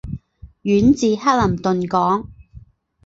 县治克林顿港。